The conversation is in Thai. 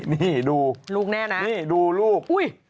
นี่ดูลูกแน่นะนี่ดูลูกอุ้ย